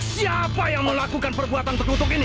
siapa yang melakukan perbuatan terkutuk ini